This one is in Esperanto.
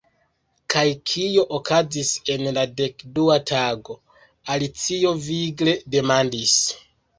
"Kaj kio okazis en la dekdua tago," Alicio vigle demandis.